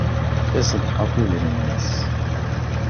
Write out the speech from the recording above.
Iṣeddeq akk idrimen-nnes.